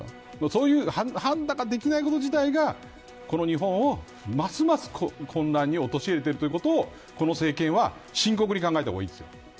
そういう判断ができないこと自体がこの日本を、ますます混乱に陥れているということをこの政権は深刻に考えた方がいいですよ。